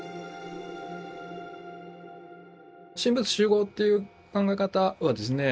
神仏習合っていう考え方はですね